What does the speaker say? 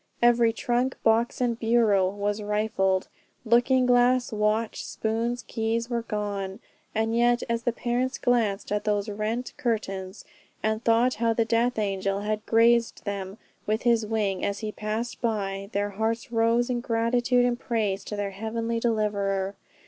Every trunk, box and bureau was rifled, looking glass, watch, spoons, keys, were gone; and yet as the parents gazed at those rent curtains, and thought how the death angel had grazed them with his wing as he passed by, their hearts rose in gratitude and praise to their Heavenly deliverer.